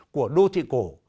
của đô thị cổ